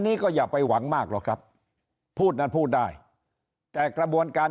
นี้ก็อย่าไปหวังมากหรอกครับพูดนั้นพูดได้แต่กระบวนการ